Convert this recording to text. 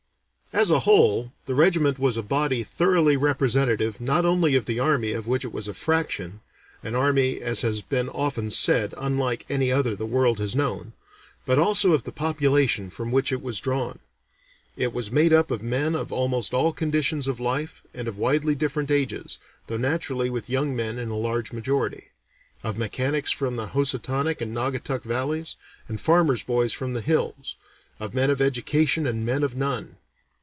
As a whole, the regiment was a body thoroughly representative not only of the army of which it was a fraction, an army as has been often said unlike any other the world has known, but also of the population from which it was drawn. It was made up of men of almost all conditions of life and of widely different ages, though naturally with young men in a large majority; of mechanics from the Housatonic and Naugatuck valleys, and farmers' boys from the hills; of men of education and men of none.